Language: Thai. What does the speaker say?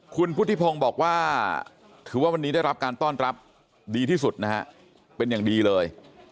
คุณพุทธิพงศ์บอกว่าถือว่าวันนี้ได้รับการต้อนรับดีที่สุดนะฮะเป็นอย่างดีเลย